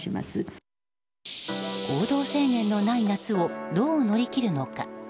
行動制限のない夏をどう乗り切るのか。